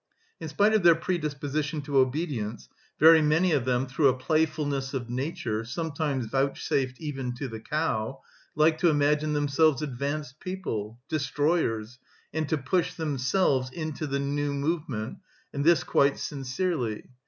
In spite of their predisposition to obedience very many of them, through a playfulness of nature, sometimes vouchsafed even to the cow, like to imagine themselves advanced people, 'destroyers,' and to push themselves into the 'new movement,' and this quite sincerely.